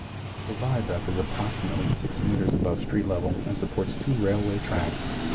The viaduct is approximately six metres above street level and supports two railway tracks.